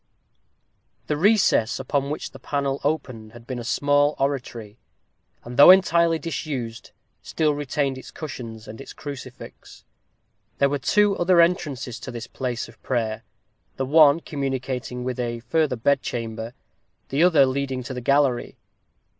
_ The recess upon which the panel opened had been a small oratory, and, though entirely disused, still retained its cushions and its crucifix. There were two other entrances to this place of prayer, the one communicating with a further bedchamber, the other leading to the gallery.